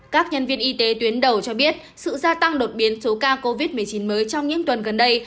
các nhân viên y tế tuyến đầu cho biết sự gia tăng đột biến số ca covid một mươi chín mới trong những tuần gần đây